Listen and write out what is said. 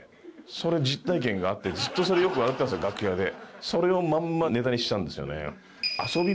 その実体験があってずっとそれよく笑ってたんですよ楽屋で。